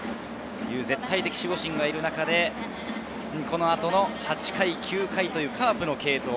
絶対的守護神がいる中で、この後の８回、９回というカープの継投。